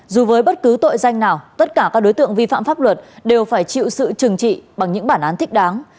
dù với bất cứ tội danh nào tất cả các đối tượng vi phạm pháp luật đều phải chịu sự trừng trị bằng những bản án thích đáng